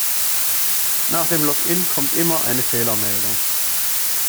Nach dem Login kommt immer eine Fehlermeldung.